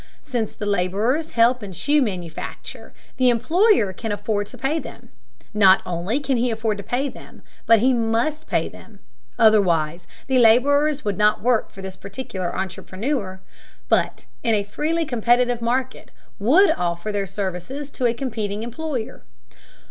Since the laborers help in shoe manufacture, the employer can afford to pay them. Not only can he afford to pay them, but he must pay them. Otherwise the laborers would not work for this particular entrepreneur, but, in a freely competitive market, would offer their services to a competing employer.